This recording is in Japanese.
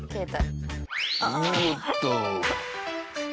おっと。